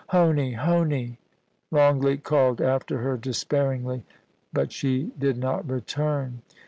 * Honie, Honie !' Longleat called after her despairingly ; but she did not retiun.